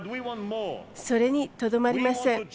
それにとどまりません。